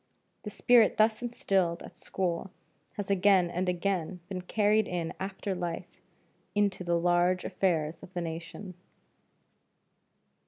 The spirit thus instilled at school has again and again been carried in after life into the large affairs of the nation.